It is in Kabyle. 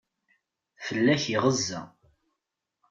Fell-ak iɣeza.